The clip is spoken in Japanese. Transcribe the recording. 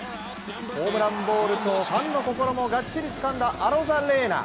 ホームランボールとファンの心もがっちりつかんだアロザレーナ。